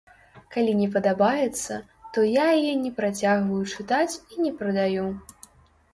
Калі не падабаецца, то я яе не працягваю чытаць і не прадаю.